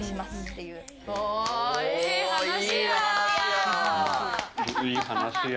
いい話や。